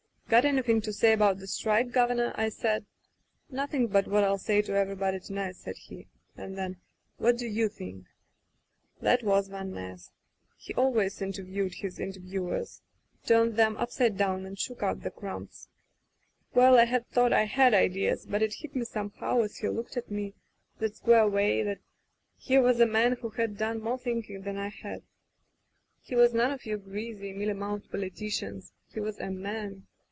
'Got anydiing to say about the strike. Governor?* I said. 'Nothing but what ril say to everybody to night,' said he, and then: 'What do you think ?* "That was Van Ness. He always inter viewed his interviewers. Turned them up side down and shook out the crumbs. "Well, I had thought I had ideas, but it hit me somehow, as he looked at me, that [ 220 ] Digitized by LjOOQ IC Martha square way, that here was a man who had done more thinking than I had. He was none of your greasy, mealy mouthed politicians. He was a man.